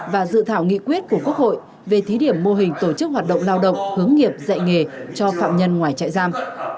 và dự thảo nghị quyết của quốc hội về thí điểm mô hình tổ chức hoạt động lao động hướng nghiệp dạy nghề cho phạm nhân ngoài trại giam